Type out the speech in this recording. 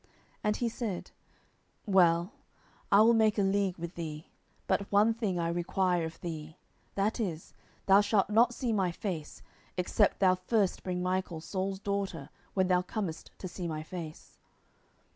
10:003:013 And he said, Well; I will make a league with thee: but one thing I require of thee, that is, Thou shalt not see my face, except thou first bring Michal Saul's daughter, when thou comest to see my face.